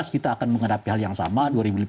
dua ribu tujuh belas kita akan menghadapi hal yang sama